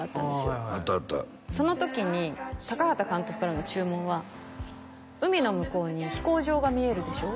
はいはいあったあったその時にタカハタ監督からの注文は「海の向こうに飛行場が見えるでしょ」